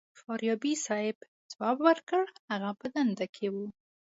فاریابي صیب ځواب ورکړ هغه په دنده کې و.